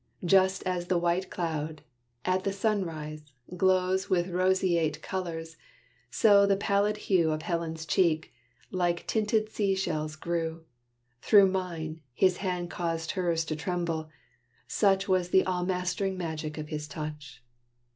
Just as the white cloud, at the sunrise, glows With roseate colors, so the pallid hue Of Helen's cheek, like tinted sea shells grew. Through mine, his hand caused hers to tremble; such Was the all mast'ring magic of his touch.